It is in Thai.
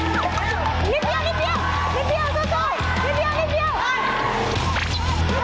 นิดเดียวซ้อน